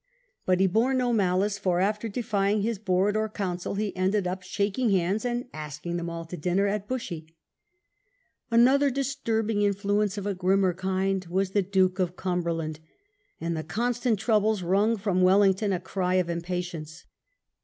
But he bore no malice, for after defying his board, or council, he ended by shaking hands, and ask ing them all to dinner at Bushey ! Another disturbiDg influence of a grimmer kind was the Duke of Cumber land ; and the constant troubles wrung from Wellington a cry of impatience.